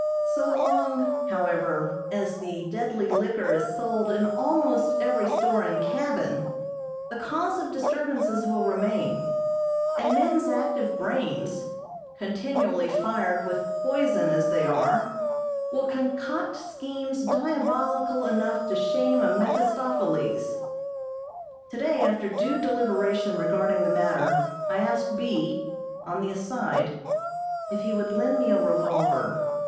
So long, however, as the deadly liquor is sold in almost every store and cabin, the cause of disturbances will remain, and men's active brains, continually fired with poison as they are, will concoct schemes diabolical enough to shame a Mephistopheles. Today, after due deliberation regarding the matter, I asked B., on the aside, if he would lend me a revolver.